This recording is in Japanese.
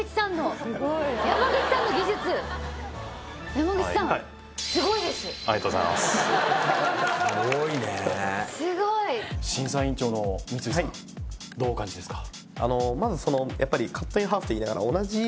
山口さんのありがとうございますすごいねすごい審査員長の三井さんどうお感じですか？